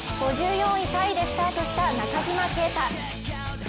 ５４位タイでスタートした中島啓太。